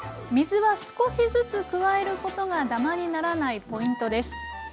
水は少しずつ加えることがだまにならないポイントです。